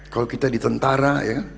kalau kita di tentara